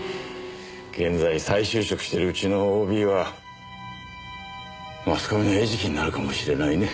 現在再就職してるうちのＯＢはマスコミの餌食になるかもしれないね